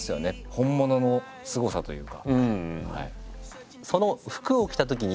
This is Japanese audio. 本物のすごさというか。